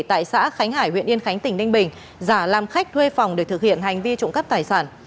tại xã khánh hải huyện yên khánh tỉnh ninh bình giả làm khách thuê phòng để thực hiện hành vi trộm cắp tài sản